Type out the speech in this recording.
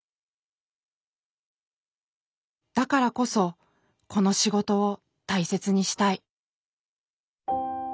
だからこそこの仕事を大切にしたい。